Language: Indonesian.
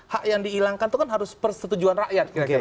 hak yang dihilangkan itu kan harus persetujuan rakyat